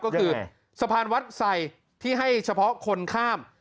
ก็คือสะพานวัดใส่ที่ให้เฉพาะคนข้าม